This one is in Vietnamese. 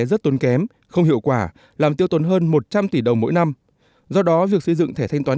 rất tốn kém không hiệu quả làm tiêu tốn hơn một trăm linh tỷ đồng mỗi năm do đó việc xây dựng thẻ thanh toán